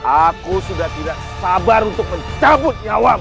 aku sudah tidak sabar untuk mencabut nyawamu